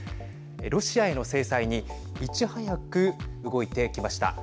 ロシアへの制裁にいち早く動いてきました。